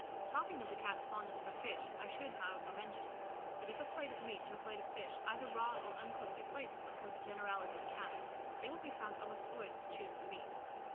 Talking of the Cat's fondness for fish, I should, however, mention, that if a plate of meat and a plate of fish, either raw or cooked, be placed before the generality of Cats, they will be found almost always to choose the meat.